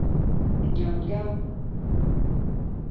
硬膠